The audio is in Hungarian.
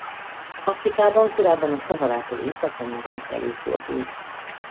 Afrikában korábban a Szaharától északra mindenütt előfordult.